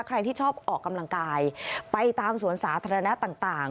ใครที่ชอบออกกำลังกายไปตามสวนสาธารณะต่าง